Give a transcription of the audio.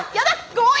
強引！